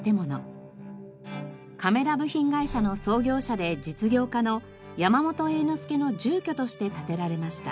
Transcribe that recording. カメラ部品会社の創業者で実業家の山本栄之助の住居として建てられました。